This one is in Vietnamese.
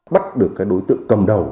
bắt được đối tượng cầm đầu